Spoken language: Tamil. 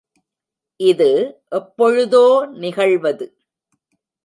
இது எப்பொழுதோ நிகழ்வது.